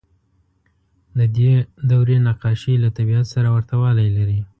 د دې دورې نقاشۍ له طبیعت سره ورته والی لري.